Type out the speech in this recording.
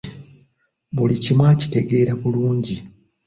Buli kimu akitegeera bulungi.